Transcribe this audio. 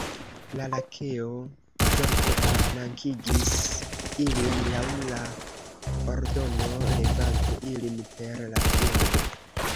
La Lakeo zorge aliflankigis ilin laŭ la ordono, levante ilin per la piedo.